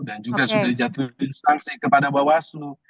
dan juga sudah dijatuhin sanksi kepada bawaslu